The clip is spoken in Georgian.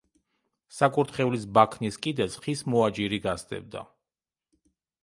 საკურთხევლის ბაქნის კიდეს ხის მოაჯირი გასდევდა.